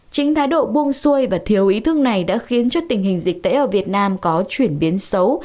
chính thái độ buông xuôi và thiếu ý thức này đã khiến cho tình hình dịch tễ ở việt nam có chuyển biến xấu